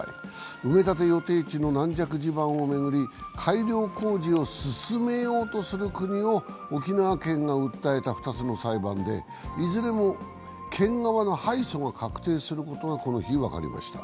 埋め立て予定地の軟弱地盤を巡り改良工事を進めようとする国を沖縄県が訴えた２つの裁判でいずれも県側の敗訴が確定することがこの日分かりました。